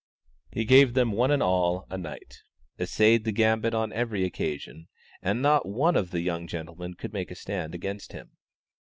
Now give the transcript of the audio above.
He gave them one and all a Knight, essayed the Gambit on every occasion, and not one of the young gentlemen could make a stand against him.